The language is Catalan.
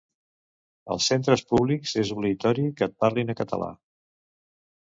Als centres públics és obligatori que et parlin en català.